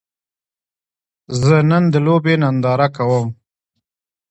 زه نن د لوبې ننداره کوم